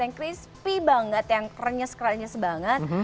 yang crispy banget yang kerenyes krenyes banget